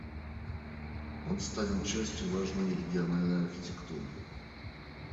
Он станет частью важной региональной архитектуры.